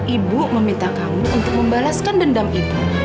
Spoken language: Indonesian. ibu meminta kamu untuk membalaskan dendam itu